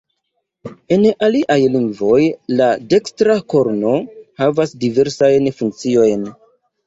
En aliaj lingvoj la dekstra korno havas diversajn funkciojn.